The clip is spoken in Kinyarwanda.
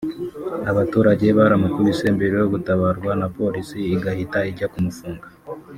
abaturage baramukubise mbere yo gutabarwa na Polisi igahita ijya kumufunga